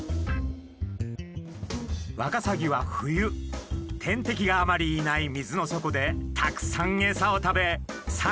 ワカサギは冬天敵があまりいない水の底でたくさんエサを食べさん